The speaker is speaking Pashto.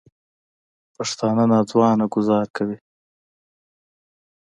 پښتانه نا ځوانه ګوزار کوي